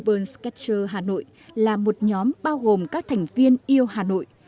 urban scratcher hà nội là một nhóm bao gồm các thành viên yêu hà nội